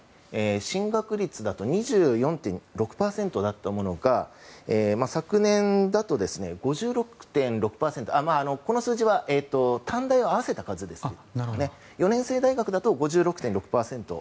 進学率だと２４．６％だったものが昨年だと５６．６％、この数字は短大を合わせた数でして４年制大学だと５６．６％。